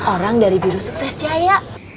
orang dari biru sukses jaya